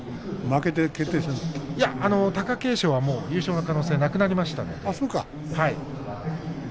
貴景勝の優勝の可能性はなくなりました。